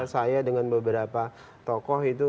saya dengan beberapa tokoh itu